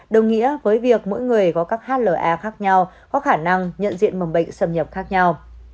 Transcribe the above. đồng nghĩa với việc mỗi người có các hla khác nhau có khả năng nhận diện mầm bệnh xâm nhập khác nhau